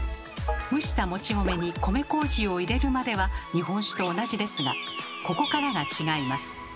蒸したもち米に米こうじを入れるまでは日本酒と同じですがここからが違います。